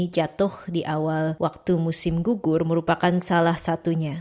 jatuh di awal waktu musim gugur merupakan salah satunya